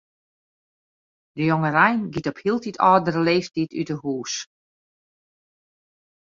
De jongerein giet op hieltyd âldere leeftiid út 'e hûs.